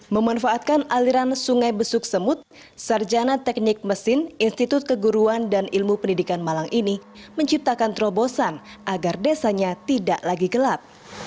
memanfaatkan aliran sungai besuk semut sarjana teknik mesin institut keguruan dan ilmu pendidikan malang ini menciptakan terobosan agar desanya tidak lagi gelap